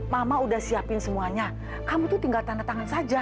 mama udah siapin semuanya kamu tuh tinggal tanda tangan saja